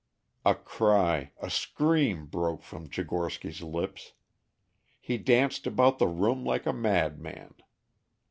'" A cry a scream broke from Tchigorsky's lips. He danced about the room like a madman.